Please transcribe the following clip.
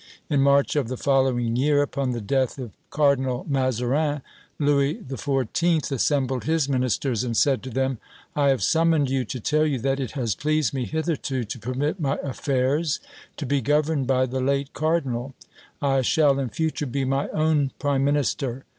In March of the following year, upon the death of Cardinal Mazarin, Louis XIV. assembled his ministers and said to them: "I have summoned you to tell you that it has pleased me hitherto to permit my affairs to be governed by the late cardinal; I shall in future be my own prime minister.